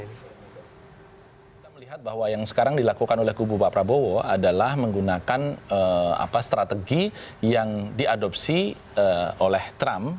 kita melihat bahwa yang sekarang dilakukan oleh kubu pak prabowo adalah menggunakan strategi yang diadopsi oleh trump